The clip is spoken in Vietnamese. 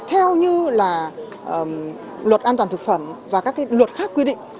theo như là luật an toàn thực phẩm và các luật khác quy định